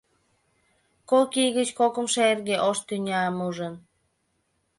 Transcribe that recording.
Кок ий гыч кокымшо эрге ош тӱням ужын.